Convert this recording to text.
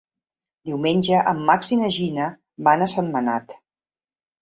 Diumenge en Max i na Gina van a Sentmenat.